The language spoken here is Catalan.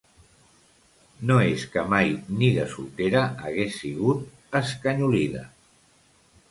No es que mai, ni de soltera hagués sigut escanyolida;